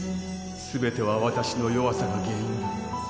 全ては私の弱さが原因だ。